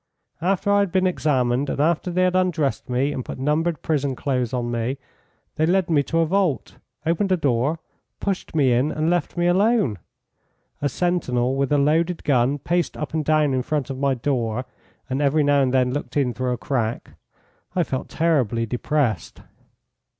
After I had been examined, and after they had undressed me and put numbered prison clothes on me, they led me to a vault, opened a door, pushed me in, and left me alone; a sentinel, with a loaded gun, paced up and down in front of my door, and every now and then looked in through a crack I felt terribly depressed.